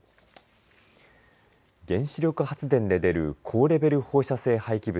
原子力発電で出る高レベル放射性廃棄物